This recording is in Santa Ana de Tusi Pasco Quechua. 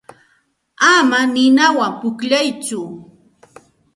Ama ninawan pukllatsu.